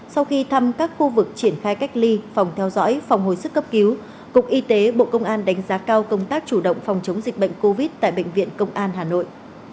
sau khi thăm các khu vực triển khai cách ly phòng theo dõi phòng hồi sức cấp cứu cục y tế bộ công an đánh giá cao công tác chủ động phòng chống dịch bệnh covid tại bệnh viện công an hà nội